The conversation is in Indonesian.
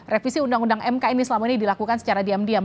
revisi undang undang mk ini selama ini dilakukan secara diam diam